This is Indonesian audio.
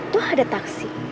tuh ada taksi